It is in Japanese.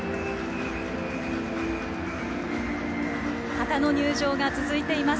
旗の入場が続いています。